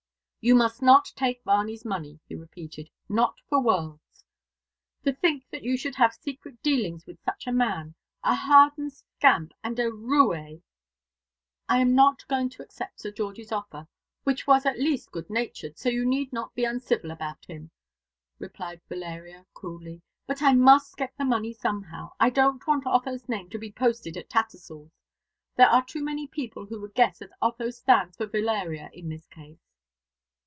"You must not take Varney's money," he repeated, "not for worlds. To think that you should have secret dealings with such a man a hardened scamp and roué!" "I am not going to accept Sir George's offer which was at least good natured, so you need not be uncivil about him," replied Valeria coolly; "but I must get the money somehow. I don't want Otho's name to be posted at Tattersall's. There are too many people who would guess that Otho stands for Valeria in this case."